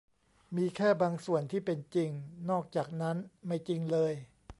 มีแค่บางส่วนที่เป็นจริงนอกจากนั้นไม่จริงเลย